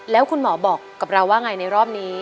แล้วคุณหมอบอกกับเราว่าไงในรอบนี้